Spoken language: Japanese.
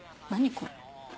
これ。